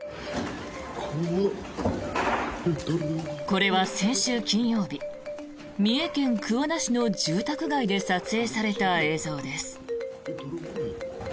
これは先週金曜日三重県桑名市の住宅街で撮影された映像です。